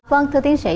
vâng thưa tiến sĩ